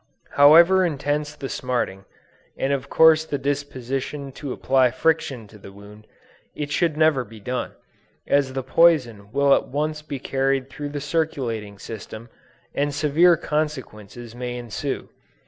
However intense the smarting, and of course the disposition to apply friction to the wound, it should never be done, as the poison will at once be carried through the circulating system, and severe consequences may ensue.